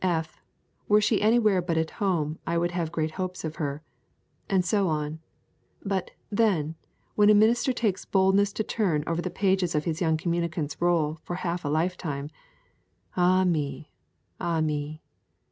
F., were she anywhere but at home, I would have great hopes of her,' and so on. But, then, when a minister takes boldness to turn over the pages of his young communicants' roll for half a lifetime ah me, ah me!